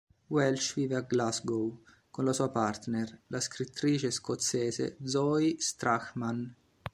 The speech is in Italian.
Welsh vive a Glasgow con la sua partner, la scrittrice scozzese Zoë Strachan.